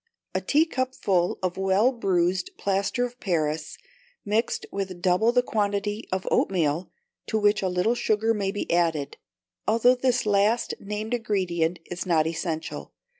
A teacupful of well bruised plaster of Paris, mixed with double the quantity of oatmeal, to which a little sugar may be added, although this last named ingredient is not essential.